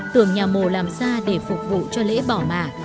tượng nhà mồ làm ra để phục vụ cho lễ bỏ mạ